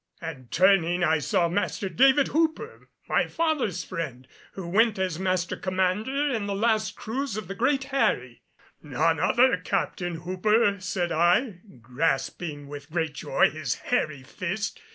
And turning I saw Master David Hooper, my father's friend, who went as Master Commander in the last cruise of the Great Harry. "None other, Captain Hooper!" said I, grasping with great joy his hairy fist.